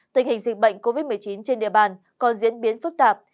tình hình dịch bệnh covid một mươi chín trên địa bàn còn diễn biến phức tạp